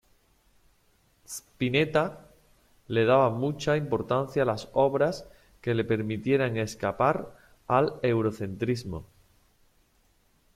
Spinetta le daba mucha importancia a las obras que le permitieran escapar al eurocentrismo.